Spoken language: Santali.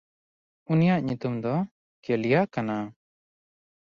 ᱩᱱᱤᱭᱟᱜ ᱧᱩᱛᱩᱢ ᱫᱚ ᱠᱮᱞᱤᱭᱟ ᱠᱟᱱᱟ᱾